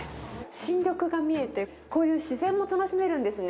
新緑が見えて、こういう自然も楽しめるんですね。